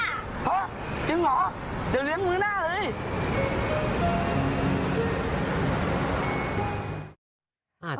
อ๊ะจริงเหรอเดี๋ยวเรียกมือหน้าเลย